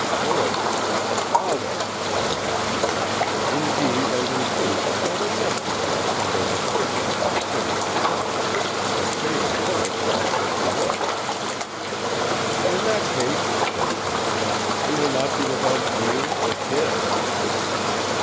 "Pullet! My father!" said the landlord; "indeed and in truth it's only yesterday I sent over fifty to the city to sell; but saving pullets ask what you will." "In that case," said Sancho, "you will not be without veal or kid."